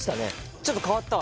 ちょっと変わったわ